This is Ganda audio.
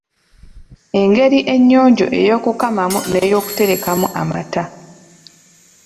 Engeri ennyonjo ey’okukamamu n’okuterekamu amata